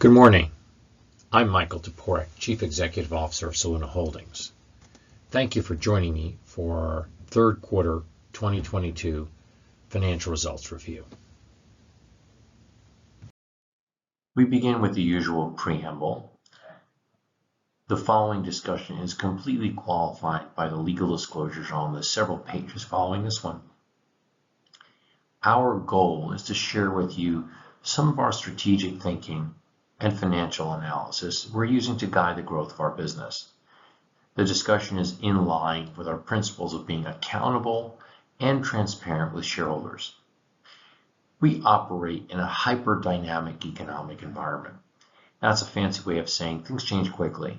Good morning. I'm Michael Toporek, Chief Executive Officer of Soluna Holdings. Thank you for joining me for our third quarter 2022 financial results review. We begin with the usual preamble. The following discussion is completely qualified by the legal disclosures on the several pages following this one. Our goal is to share with you some of our strategic thinking and financial analysis we're using to guide the growth of our business. The discussion is in line with our principles of being accountable and transparent with shareholders. We operate in a hyper-dynamic economic environment. That's a fancy way of saying things change quickly.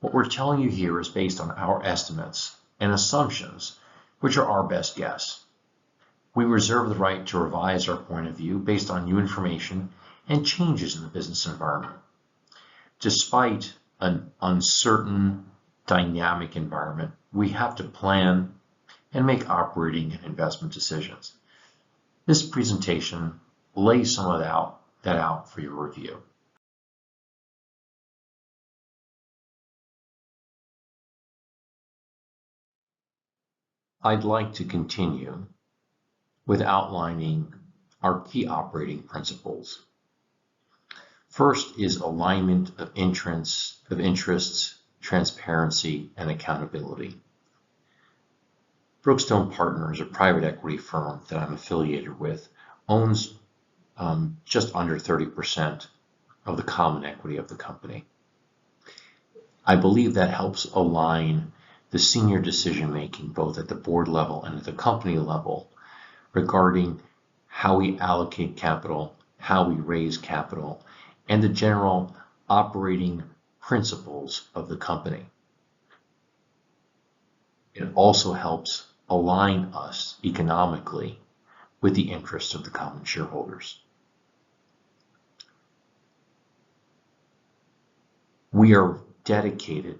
What we're telling you here is based on our estimates and assumptions, which are our best guess. We reserve the right to revise our point of view based on new information and changes in the business environment. Despite an uncertain dynamic environment, we have to plan and make operating and investment decisions. This presentation lays some of that out for your review. I'd like to continue with outlining our key operating principles. First is alignment of interests, transparency, and accountability. Brookstone Partners, a private equity firm that I'm affiliated with, owns just under 30% of the common equity of the company. I believe that helps align the senior decision-making, both at the board level and at the company level, regarding how we allocate capital, how we raise capital, and the general operating principles of the company. It also helps align us economically with the interests of the common shareholders. We are dedicated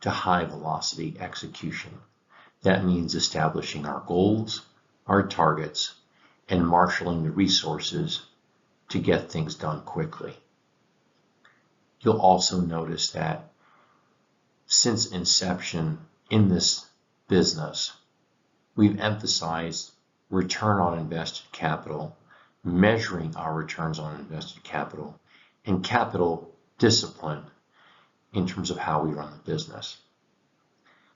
to high-velocity execution. That means establishing our goals, our targets, and marshaling the resources to get done quickly. You'll also notice that since inception in this business, we've emphasized return on invested capital, measuring our returns on invested capital, and capital discipline in terms of how we run the business.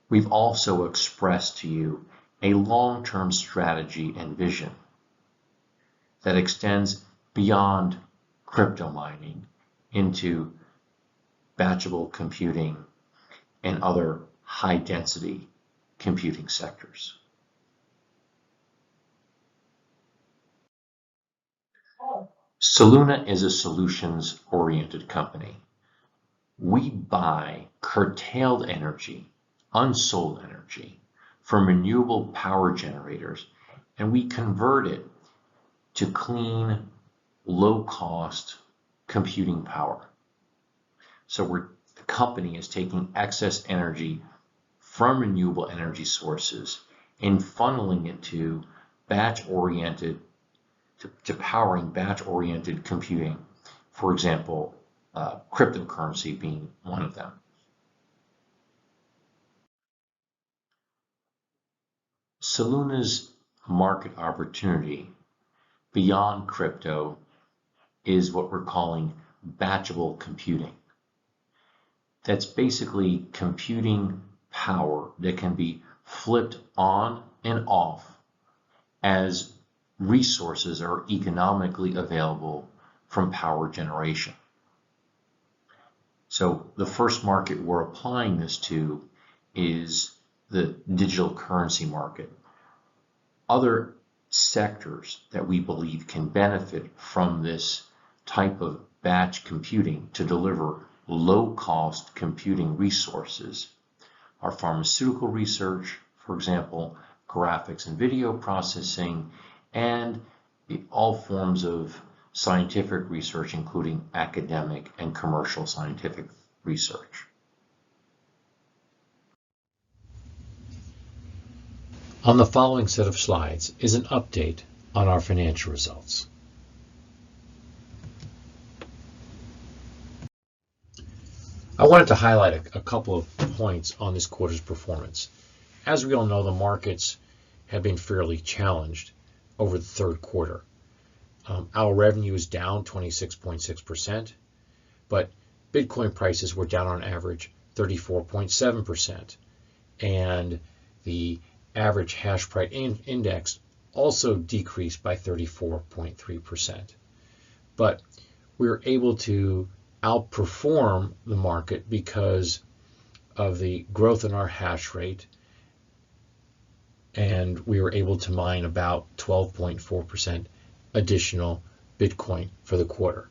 We've also expressed to you a long-term strategy and vision that extends beyond crypto mining into batchable computing and other high-density computing sectors. Soluna is a solutions-oriented company. We buy curtailed energy, unsold energy from renewable power generators, and we convert it to clean, low-cost computing power. The company is taking excess energy from renewable energy sources and funneling it to powering batchable computing. For example, cryptocurrency being one of them. Soluna's market opportunity beyond crypto is what we're calling batchable computing. That's basically computing power that can be flipped on and off as resources are economically available from power generation. The first market we're applying this to is the digital currency market. Other sectors that we believe can benefit from this type of batch computing to deliver low-cost computing resources are pharmaceutical research, for example, graphics and video processing, and all forms of scientific research, including academic and commercial scientific research. On the following set of slides is an update on our financial results. I wanted to highlight a couple of points on this quarter's performance. As we all know, the markets have been fairly challenged over the third quarter. Our revenue is down 26.6%, but Bitcoin prices were down on average 34.7%, and the average hashprice index also decreased by 34.3%. We were able to outperform the market because of the growth in our hash rate, and we were able to mine about 12.4% additional Bitcoin for the quarter.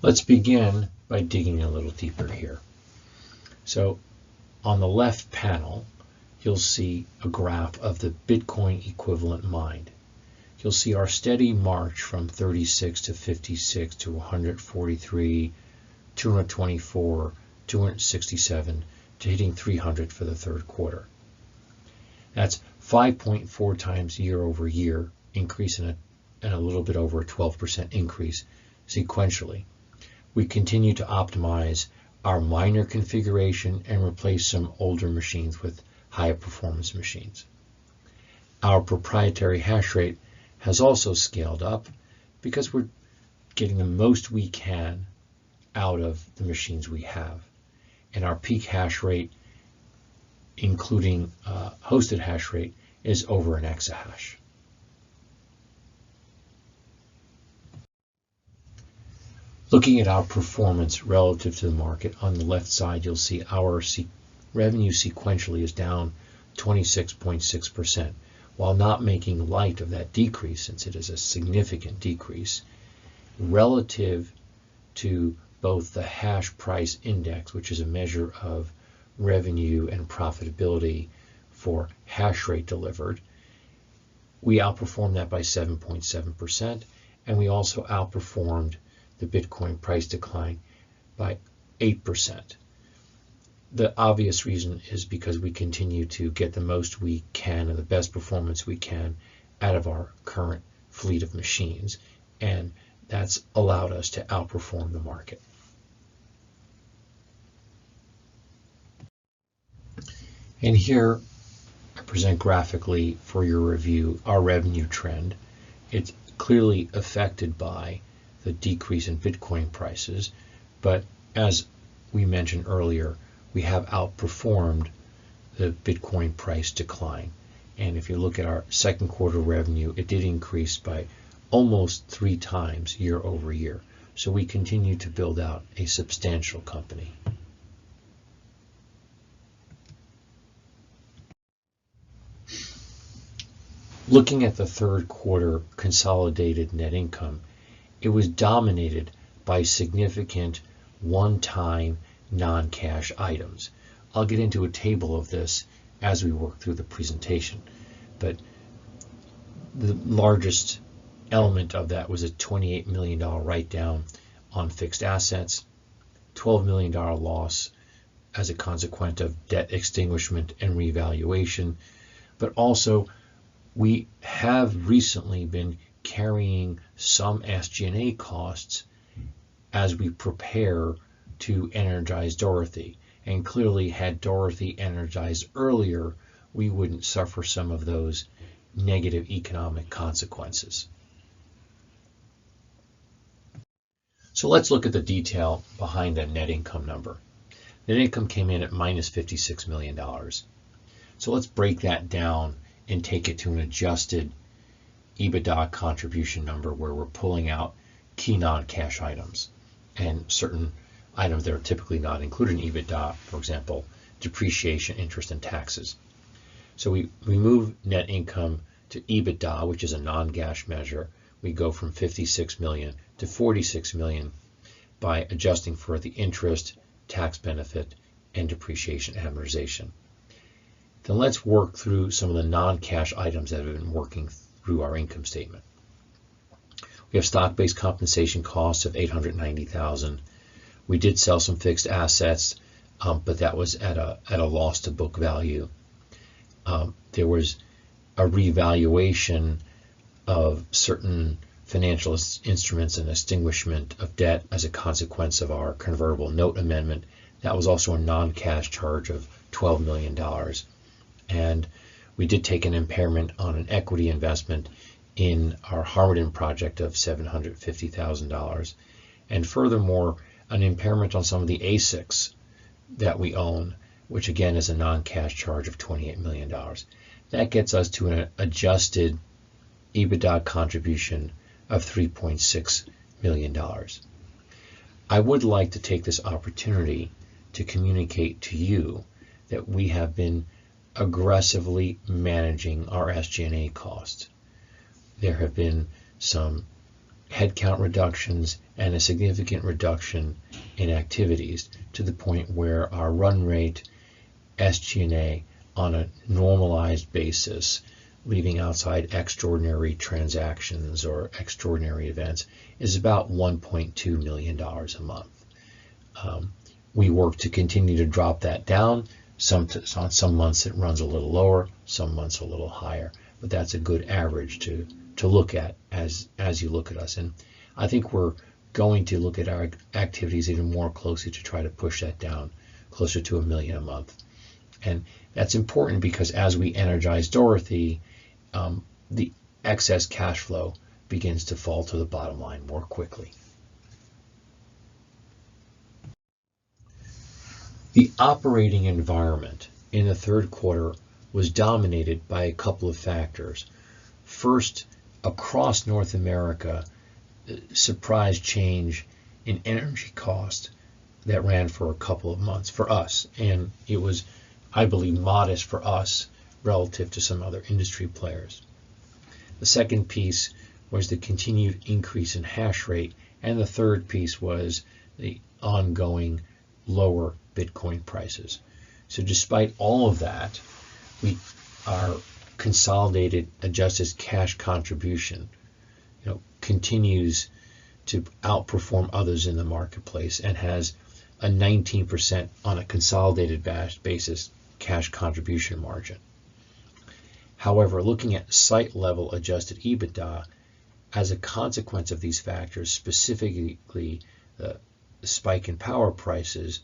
Let's begin by digging a little deeper here. On the left panel, you'll see a graph of the Bitcoin equivalent mined. You'll see our steady march from 36 to 56 to 143, 224, 267, to hitting 300 for the Q3. That's 5.4x year-over-year increase and a little bit over a 12% increase sequentially. We continue to optimize our miner configuration and replace some older machines with higher performance machines. Our proprietary hash rate has also scaled up because we're getting the most we can out of the machines we have, and our peak hash rate, including hosted hash rate, is over an exahash. Looking at our performance relative to the market, on the left side, you'll see our revenue sequentially is down 26.6%. While not making light of that decrease, since it is a significant decrease, relative to both the hash price index, which is a measure of revenue and profitability for hash rate delivered, we outperformed that by 7.7%, and we also outperformed the Bitcoin price decline by 8%. The obvious reason is because we continue to get the most we can and the best performance we can out of our current fleet of machines, and that's allowed us to outperform the market. Here I present graphically for your review our revenue trend. It's clearly affected by the decrease in Bitcoin prices. As we mentioned earlier, we have outperformed the Bitcoin price decline. If you look at our Q2 revenue, it did increase by almost 3x year-over-year. We continue to build out a substantial company. Looking at the Q3 consolidated net income, it was dominated by significant one-time non-cash items. I'll get into a table of this as we work through the presentation. The largest element of that was a $28 million write-down on fixed assets, $12 million loss as a consequence of debt extinguishment and revaluation. Also we have recently been carrying some SG&A costs as we prepare to energize Dorothy. Clearly, had Dorothy energized earlier, we wouldn't suffer some of those negative economic consequences. Let's look at the detail behind that net income number. Net income came in at -$56 million. Let's break that down and take it to an adjusted EBITDA contribution number where we're pulling out key non-cash items and certain items that are typically not included in EBITDA, for example, depreciation, interest, and taxes. We remove net income to EBITDA, which is a non-cash measure. We go from $56 million-$46 million by adjusting for the interest, tax benefit, and depreciation amortization. Let's work through some of the non-cash items that have been working through our income statement. We have stock-based compensation costs of $890,000. We did sell some fixed assets, but that was at a loss to book value. There was a revaluation of certain financial instruments and extinguishment of debt as a consequence of our convertible note amendment. That was also a non-cash charge of $12 million. We did take an impairment on an equity investment in our Harmattan project of $750,000. Furthermore, an impairment on some of the ASICs that we own, which again is a non-cash charge of $28 million. That gets us to an adjusted EBITDA contribution of $3.6 million. I would like to take this opportunity to communicate to you that we have been aggressively managing our SG&A costs. There have been some headcount reductions and a significant reduction in activities to the point where our run rate SG&A on a normalized basis, leaving aside extraordinary transactions or extraordinary events, is about $1.2 million a month. We work to continue to drop that down. Some months it runs a little lower, some months a little higher, but that's a good average to look at as you look at us. I think we're going to look at our activities even more closely to try to push that down closer to $1 million a month. That's important because as we energize Dorothy, the excess cash flow begins to fall to the bottom line more quickly. The operating environment in the third quarter was dominated by a couple of factors. First, across North America, a surprise change in energy cost that ran for a couple of months for us, and it was, I believe, modest for us relative to some other industry players. The second piece was the continued increase in hash rate, and the third piece was the ongoing lower Bitcoin prices. Despite all of that, we, our consolidated adjusted cash contribution, you know, continues to outperform others in the marketplace and has a 19% on a consolidated basis cash contribution margin. However, looking at site-level adjusted EBITDA, as a consequence of these factors, specifically the spike in power prices,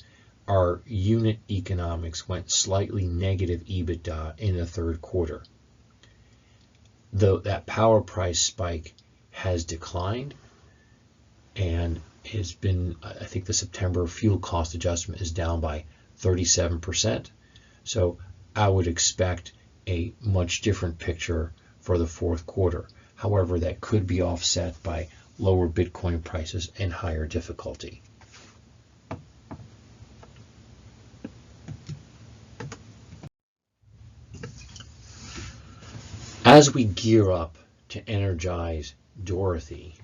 our unit economics went slightly negative EBITDA in the third quarter. Though that power price spike has declined and I think the September fuel cost adjustment is down by 37%, so I would expect a much different picture for the Q4. However, that could be offset by lower Bitcoin prices and higher difficulty. As we gear up to energize Dorothy,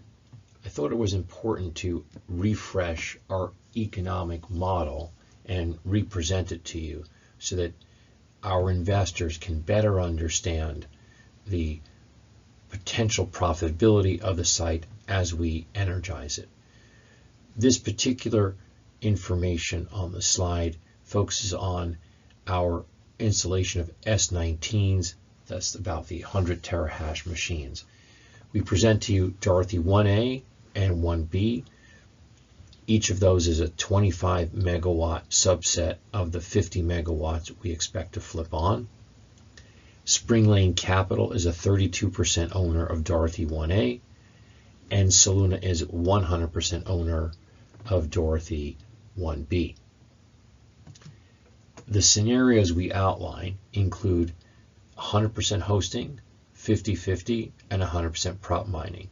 I thought it was important to refresh our economic model and re-present it to you so that our investors can better understand the potential profitability of the site as we energize it. This particular information on the slide focuses on our installation of S19s. That's about the 100-terahash machines. We present to you Dorothy One A and Dorothy One B. Each of those is a 25-MW subset of the 50 MW we expect to flip on. Spring Lane Capital is a 32% owner of Dorothy One A, and Soluna is 100% owner of Dorothy One B. The scenarios we outline include 100% hosting, 50/50, and 100% prop mining.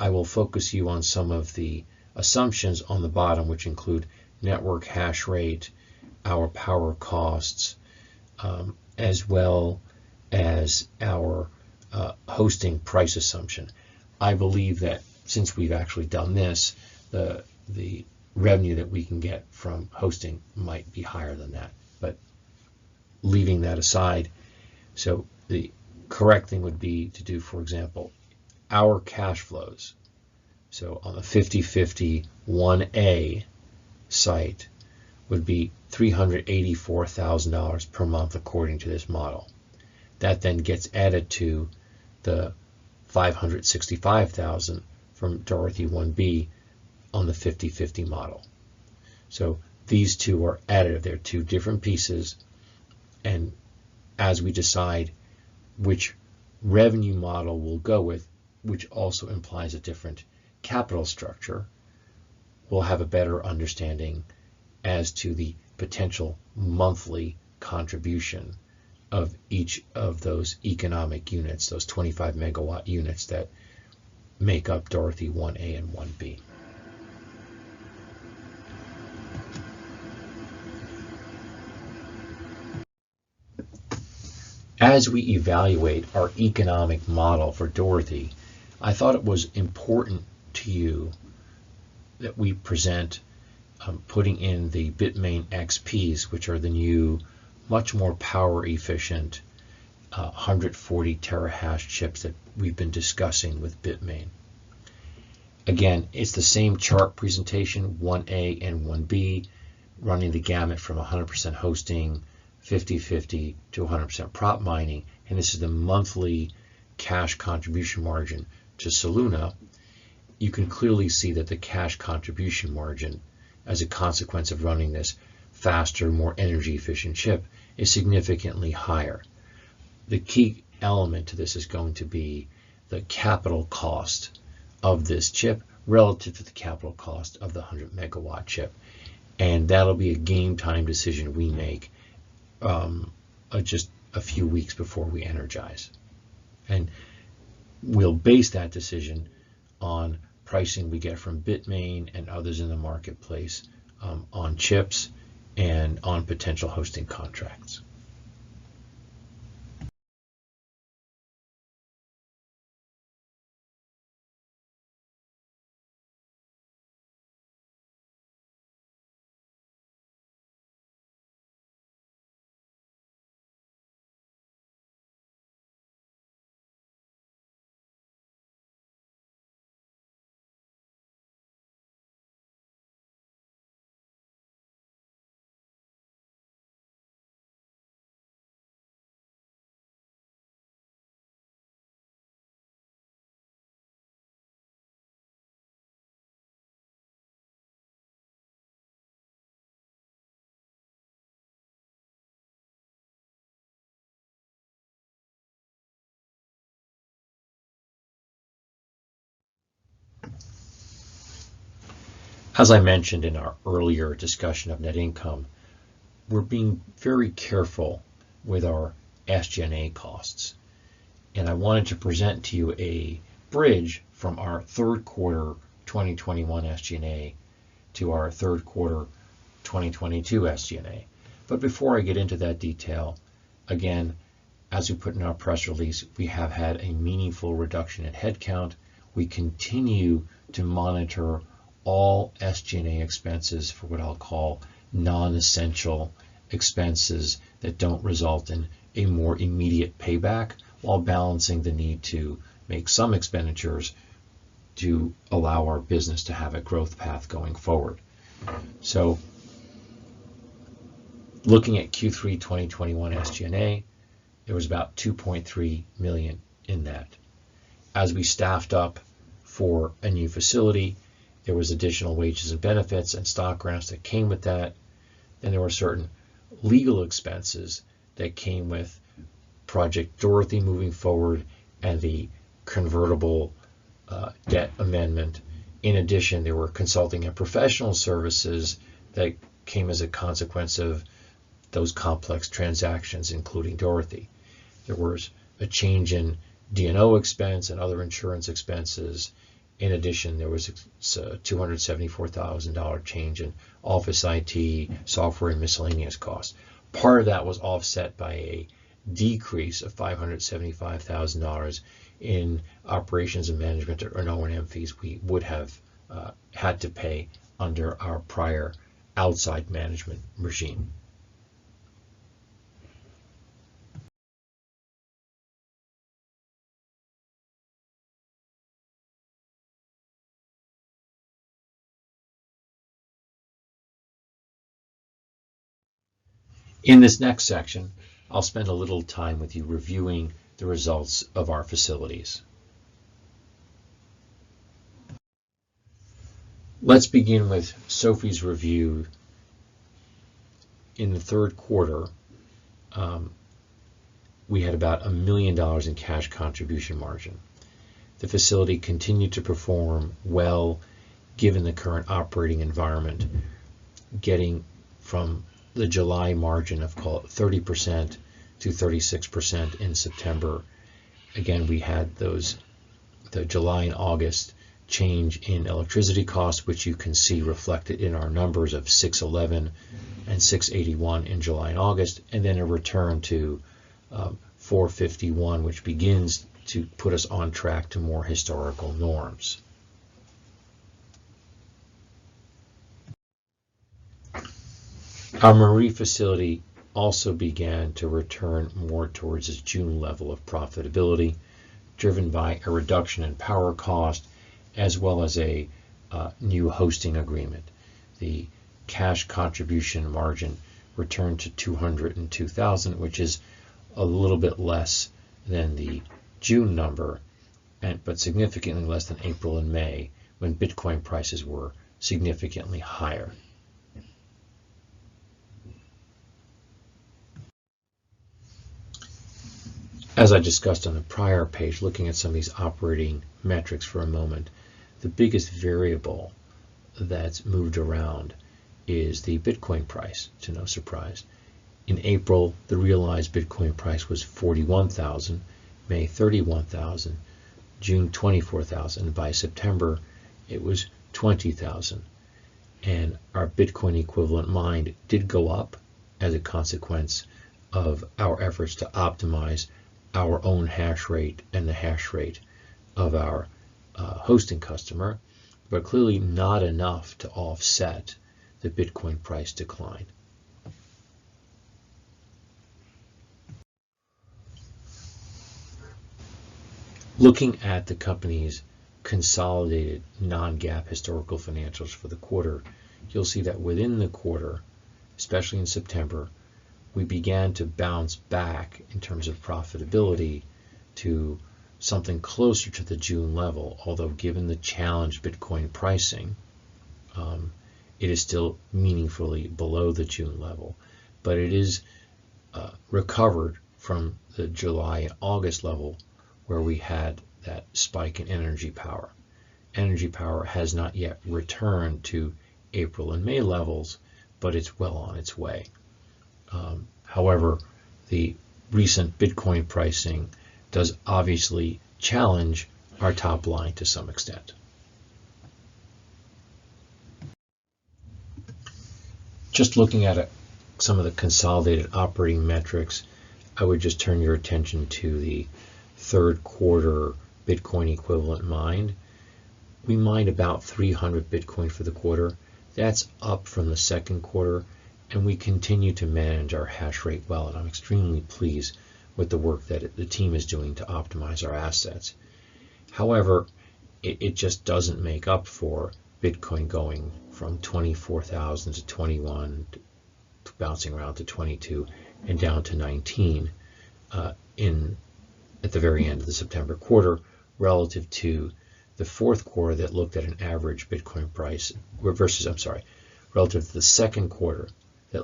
I will focus on some of the assumptions on the bottom, which include network hash rate, our power costs, as well as our hosting price assumption. I believe that since we've actually done this, the revenue that we can get from hosting might be higher than that. Leaving that aside, the correct thing would be to do, for example, our cash flows. On the 50/50 Dorothy One A site would be $384,000 per month according to this model. That then gets added to the $565,000 from Dorothy One B on the 50/50 model. These two are added. They're two different pieces, and as we decide which revenue model we'll go with, which also implies a different capital structure, we'll have a better understanding as to the potential monthly contribution of each of those economic units, those 25 MW units that make up Dorothy One A and Dorothy One B. As we evaluate our economic model for Dorothy, I thought it was important to you that we present putting in the Bitmain XPs, which are the new, much more power efficient, 140-terahash chips that we've been discussing with Bitmain. Again, it's the same chart presentation, Dorothy One A and Dorothy One B, running the gamut from 100% hosting, 50/50, to 100% prop mining, and this is the monthly cash contribution margin to Soluna. You can clearly see that the cash contribution margin as a consequence of running this faster, more energy efficient chip is significantly higher. The key element to this is going to be the capital cost of this chip relative to the capital cost of the 100 MW chip, and that'll be a game time decision we make just a few weeks before we energize. We'll base that decision on pricing we get from Bitmain and others in the marketplace on chips and on potential hosting contracts. As I mentioned in our earlier discussion of net income, we're being very careful with our SG&A costs, and I wanted to present to you a bridge from our Q3 2021 SG&A to our Q3 2022 SG&A. Before I get into that detail, again, as we put in our press release, we have had a meaningful reduction in headcount. We continue to monitor all SG&A expenses for what I'll call non-essential expenses that don't result in a more immediate payback while balancing the need to make some expenditures to allow our business to have a growth path going forward. Looking at Q3 2021 SG&A, there was about $2.3 million in that. As we staffed up for a new facility, there was additional wages and benefits and stock grants that came with that, and there were certain legal expenses that came with Project Dorothy moving forward and the convertible debt amendment. In addition, there were consulting and professional services that came as a consequence of those complex transactions, including Dorothy. There was a change in D&O expense and other insurance expenses. In addition, there was a $274,000 change in office IT, software, and miscellaneous costs. Part of that was offset by a decrease of $575,000 in operations and management or O&M fees we would have had to pay under our prior outside management regime. In this next section, I'll spend a little time with you reviewing the results of our facilities. Let's begin with Sophie's review. In the Q3, we had about $1 million in cash contribution margin. The facility continued to perform well given the current operating environment, getting from the July margin of call it 30%-36% in September. Again, we had those, the July and August change in electricity costs, which you can see reflected in our numbers of $6.11 and $6.81 in July and August, and then a return to $4.51, which begins to put us on track to more historical norms. Our Sophie facility also began to return more towards its June level of profitability, driven by a reduction in power cost as well as a new hosting agreement. The cash contribution margin returned to $202,000, which is a little bit less than the June number but significantly less than April and May when Bitcoin prices were significantly higher. As I discussed on a prior page, looking at some of these operating metrics for a moment, the biggest variable that's moved around is the Bitcoin price, to no surprise. In April, the realized Bitcoin price was $41,000, May $31,000, June $24,000. By September, it was $20,000. Our Bitcoin equivalent mined did go up as a consequence of our efforts to optimize our own hash rate and the hash rate of our hosting customer, but clearly not enough to offset the Bitcoin price decline. Looking at the company's consolidated non-GAAP historical financials for the quarter, you'll see that within the quarter, especially in September, we began to bounce back in terms of profitability to something closer to the June level. Although given the challenged Bitcoin pricing, it is still meaningfully below the June level, but it is recovered from the July-August level where we had that spike in energy power. Energy power has not yet returned to April and May levels, but it's well on its way. However, the recent Bitcoin pricing does obviously challenge our top line to some extent. Just looking at some of the consolidated operating metrics, I would just turn your attention to the Q3 Bitcoin equivalent mined. We mined about 300 Bitcoin for the quarter. That's up from the Q2, and we continue to manage our hash rate well, and I'm extremely pleased with the work that the team is doing to optimize our assets. However, it just doesn't make up for Bitcoin going from $24,000-$21,000, bouncing around to $22,000 and down to $19,000 at the very end of the September quarter relative to the Q2 that looked at an average Bitcoin price versus. I'm sorry, relative to the Q2 that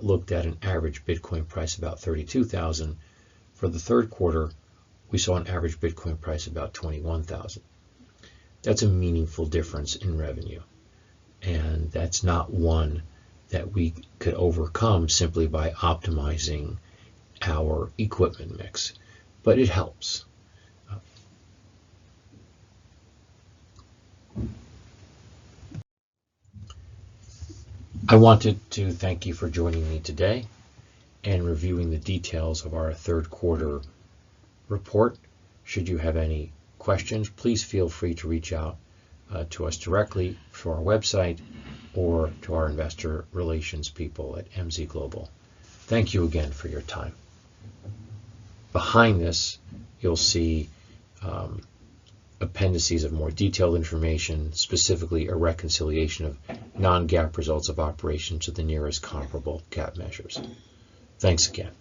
looked at an average Bitcoin price about $32,000. For the Q3, we saw an average Bitcoin price about $21,000. That's a meaningful difference in revenue, and that's not one that we could overcome simply by optimizing our equipment mix, but it helps. I wanted to thank you for joining me today and reviewing the details of our Q3 report. Should you have any questions, please feel free to reach out to us directly through our website or to our investor relations people at MZ Group. Thank you again for your time. Behind this, you'll see appendices of more detailed information, specifically a reconciliation of non-GAAP results of operations to the nearest comparable GAAP measures. Thanks again.